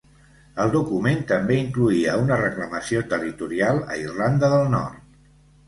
El document també incloïa una reclamació territorial a Irlanda del Nord.